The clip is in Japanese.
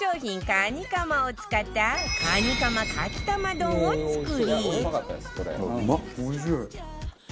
カニカマを使ったカニカマかき玉丼を作り